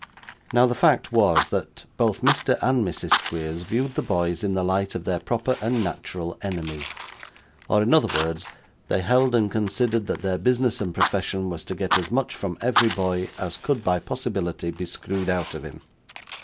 Now, the fact was, that both Mr. and Mrs. Squeers viewed the boys in the light of their proper and natural enemies; or, in other words, they held and considered that their business and profession was to get as much from every boy as could by possibility be screwed out of him.